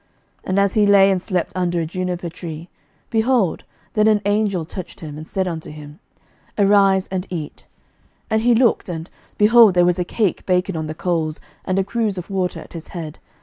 11:019:005 And as he lay and slept under a juniper tree, behold, then an angel touched him, and said unto him, Arise and eat. 11:019:006 And he looked, and, behold, there was a cake baken on the coals, and a cruse of water at his head.